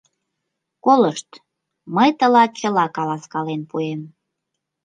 Колышт, мый тылат чыла каласкален пуэм...